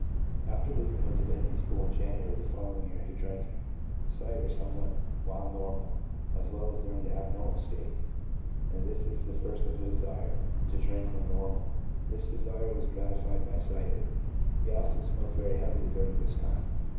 After leaving the divinity school in January of the following year, he drank cider somewhat while normal, as well as during the abnormal state, and this is the first of a desire to drink when normal. This desire was gratified .by cider. He also smoked very heavily during this time.